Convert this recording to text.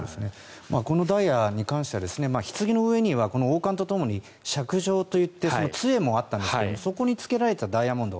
このダイヤに関してはひつぎの上にはこの王冠とともにしゃく杖といって杖もあったんですがそこにつけられていたダイヤモンド